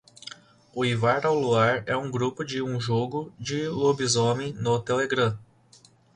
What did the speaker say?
Uivar ao Luar é um grupo de um jogo de lobisomem no Telegram